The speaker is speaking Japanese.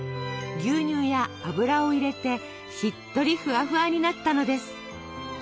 牛乳や油を入れてしっとりフワフワになったのです。